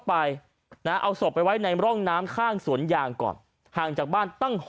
ไปนะเอาศพไปไว้ในร่องน้ำข้างสวนยางก่อนห่างจากบ้านตั้ง